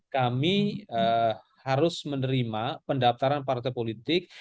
kami harus menerima pendaftaran partai politik